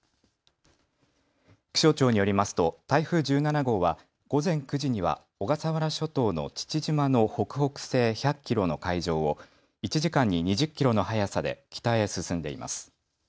気象庁によりますと台風１７号は午前９時には小笠原諸島の父島の北北西１００キロの海上を１時間に２０キロの速さで北へ進んでいます。